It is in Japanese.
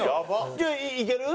じゃあいける？